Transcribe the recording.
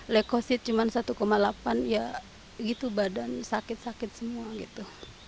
lekosit cuma satu delapan ya gitu badan sakit sakit semua gitu